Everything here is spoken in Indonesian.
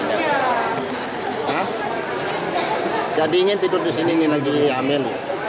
enggak ingin tidur di sini lagi hamil